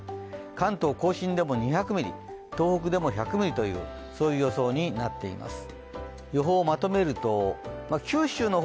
関東甲信でも２００ミリ、東北でも１００ミリという予想になっています。